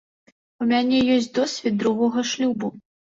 У мяне ёсць досвед другога шлюбу.